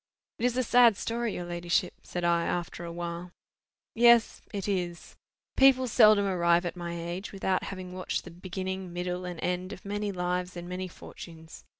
"It is a sad story, your ladyship," said I, after a while. "Yes it is. People seldom arrive at my age without having watched the beginning, middle, and end of many lives and many fortunes.